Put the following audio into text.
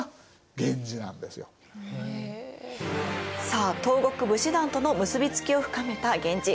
さあ東国武士団との結び付きを深めた源氏。